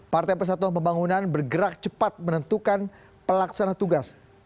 partai persatuan pembangunan bergerak cepat menentukan pelaksana tugas